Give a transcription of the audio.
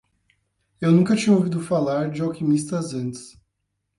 Eu nunca tinha ouvido falar de alquimistas antes